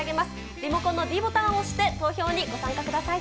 リモコンのｄボタンを押して投票にご参加ください。